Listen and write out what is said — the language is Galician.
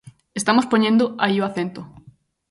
Estamos poñendo aí o acento.